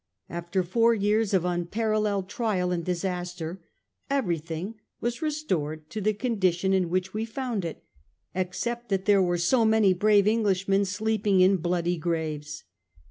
After four years of unparalleled trial and disaster everything was restored to the condition in which we found it; except that there were so many brave Englishmen sleeping in bloody graves.